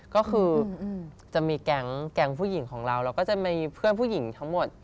ก็คือจะมีแก๊งผู้หญิงของเราเราก็จะมีเพื่อนผู้หญิงทั้งหมด